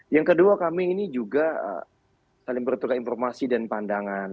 yang kedua kami ini juga saling bertukar informasi dan pandangan